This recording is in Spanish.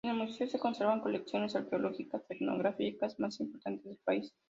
En el museo se conservan colecciones arqueológicas y etnográficas más importantes del país.